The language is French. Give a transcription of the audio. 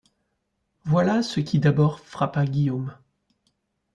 Voilà ce qui d'abord frappa Guillaume.